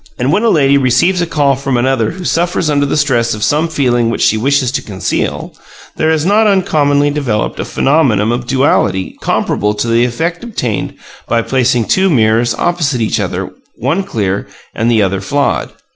And when a lady receives a call from another who suffers under the stress of some feeling which she wishes to conceal, there is not uncommonly developed a phenomenon of duality comparable to the effect obtained by placing two mirrors opposite each other, one clear and the other flawed.